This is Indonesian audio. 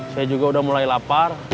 saya juga udah mulai lapar